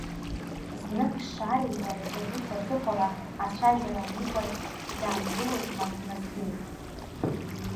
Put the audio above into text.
Знык Шареи иареи рус аҵыхәала ацәажәара анигәаӷь, даангылозма Назбеи.